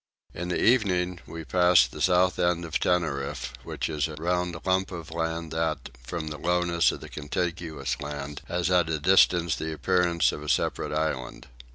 In the evening we passed the south end of Tenerife which is a round lump of land that, from the lowness of the contiguous land, has at a distance the appearance of a separate island.